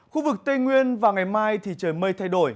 khu vực tây nguyên và ngày mai thì trời mây thay đổi